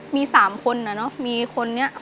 มี๓คนมีคนนี้